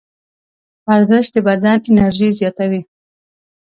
ورزش د بدن انرژي زیاتوي.